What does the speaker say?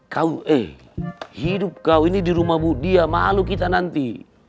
kau eh hidup kau ini di rumahmu dia malu kita nanti